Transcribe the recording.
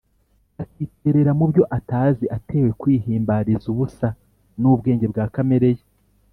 akiterera mu byo atazi atewe kwihimbariza ubusa n’ubwenge bwa kamere ye